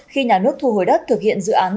khi nhà nước thu hồi đất thực hiện dự án